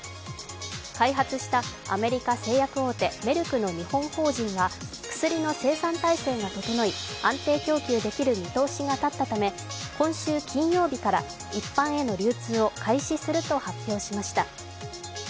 開発したアメリカ製薬大手メルクの日本法人が薬の生産体制が整い、安定供給できる見通しが立ったため今週金曜日から一般への流通を開始すると発表しました。